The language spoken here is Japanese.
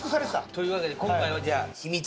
というわけで今回はじゃあ。